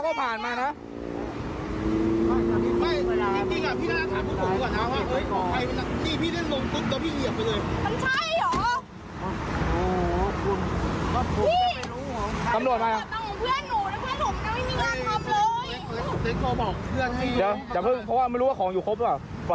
เดี๋ยวอย่าเพิ่งเพราะว่าไม่รู้ว่าของอยู่ครบหรือเปล่า